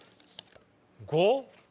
「５」。